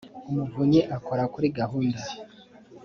umuvunyi akora kuri gahunda.